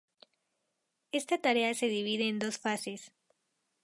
Esta tarea se divide en dos fases.